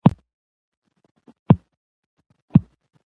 د ساینس او ټکنالوژی د پرمختګ لپاره ځوانان تلپاتي رول لري.